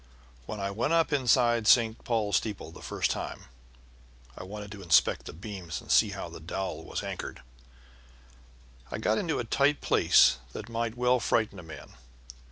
When I went up inside St. Paul's steeple the first time (I wanted to inspect the beams, and see how the dowel was anchored) I got into a tight place that might well frighten a man.